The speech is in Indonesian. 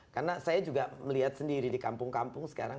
karena saya juga melihat sendiri di kampung kampung sekarang